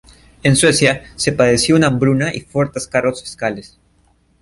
En Suecia se padeció una hambruna y fuertes cargos fiscales.